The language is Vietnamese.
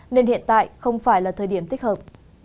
nên hiện tại không phải là thời điểm thích hợp